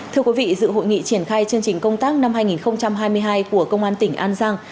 thưa quý vị dự hội nghị triển khai chương trình công tác năm hai nghìn hai mươi hai của công an tỉnh an giang